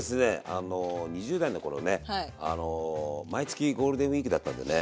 あの２０代の頃ね毎月ゴールデンウイークだったんでね。